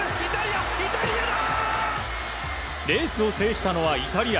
レースを制したのはイタリア。